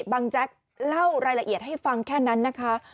แจ๊กเล่ารายละเอียดให้ฟังแค่นั้นนะคะ